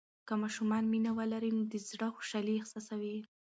که ماشومان مینه ولري، نو د زړه خوشالي احساسوي.